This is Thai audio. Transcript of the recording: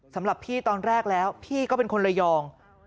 สำหรับพี่ตอนแรกแล้วพี่ก็เป็นคนระยอง